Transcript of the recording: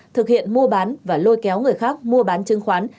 thực hiện mua bán và lôi kéo người khác mua bán chứng khoán